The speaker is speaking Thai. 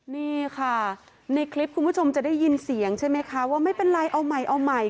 นี่ค่ะในคลิปคุณผู้ชมจะได้ยินเสียงใช่ไหมคะว่าไม่เป็นไรเอาใหม่เอาใหม่